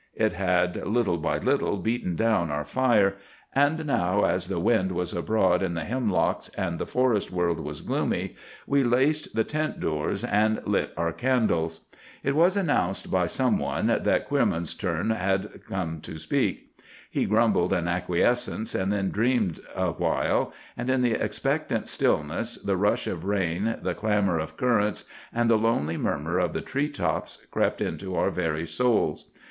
It had little by little beaten down our fire; and now, as the wind was abroad in the hemlocks and the forest world was gloomy, we laced the tent doors and lit our candles. It was announced by some one that Queerman's turn was come to speak. He grumbled an acquiescence, and then dreamed a while; and in the expectant stillness the rush of rain, the clamor of currents, and the lonely murmur of the tree tops, crept into our very souls.